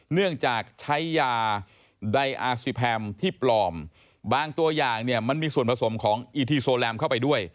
เนื่องจากใช้ยาไดอาซิแพมที่ปลอมบางตัวอย่างเนี่ยมันมีส่วนผสมของอีทีโซแรมเข้าไปด้วย